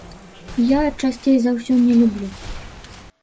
Я, часцей за ўсё, не люблю.